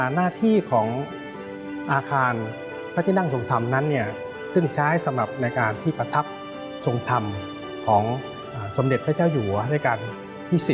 หน้าที่ของอาคารพระที่นั่งทรงธรรมนั้นซึ่งใช้สำหรับในการที่ประทับทรงธรรมของสมเด็จพระเจ้าอยู่หัวราชการที่๑๐